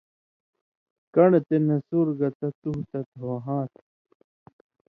کن٘ڑہۡ تے نسور گتہ تُوہہۡ تت ہو ہاں تھہ۔